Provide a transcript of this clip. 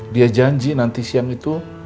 dia janji nanti siang itu